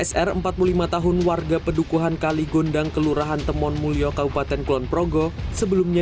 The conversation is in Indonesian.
sekitar empat puluh lima tahun warga pedukuhan kali gondang kelurahan temonmulya kaupaten kulonprogo sebelumnya